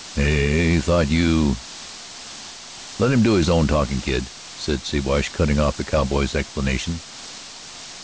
"He thought you " "Let him do his own talkin', kid," said Siwash, cutting off the cowboy's explanation.